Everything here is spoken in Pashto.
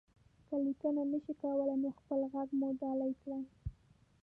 که ليکنه نشئ کولی، نو خپل غږ مو ډالۍ کړئ.